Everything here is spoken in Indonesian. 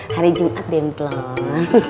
hari jumat templon